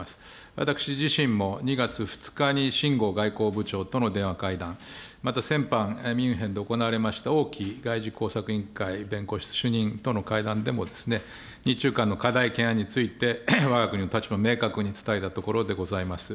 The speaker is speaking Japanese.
私自身も、２月２日にしんごう外交部長との電話会談、また先般、ミュンヘンで行われました王毅がいじこうさく委員会主任との会談とでも日中間の課題懸案について、わが国の立場を明確に伝えたところでございます。